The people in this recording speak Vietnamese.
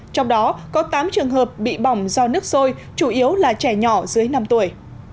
trong đó có tám trường hợp bị bỏng do nước sôi chủ yếu là trẻ nhỏ dưới năm tuổi